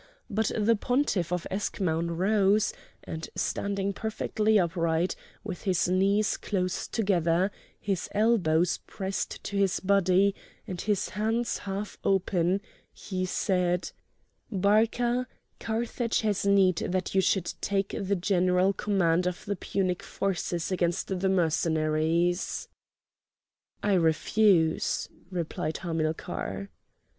But the pontiff of Eschmoun rose, and, standing perfectly upright, with his knees close together, his elbows pressed to his body, and his hands half open, he said: "Barca, Carthage has need that you should take the general command of the Punic forces against the Mercenaries!" "I refuse," replied Hamilcar.